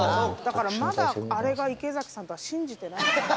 だからまだあれが池崎さんとは信じてないです。